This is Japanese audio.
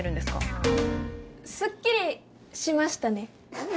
「すっきりしましたね」？